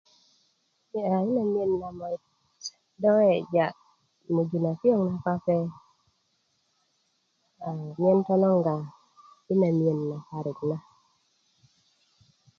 aa yina miyen na moyit do weweja möju na piyoŋ na pape' anyen tonoŋga i na miiyen na parik na